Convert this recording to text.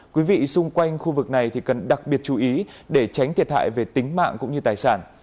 quý vị xung quanh khu vực này cần đặc biệt chú ý để tránh thiệt hại về tính mạng cũng như tài sản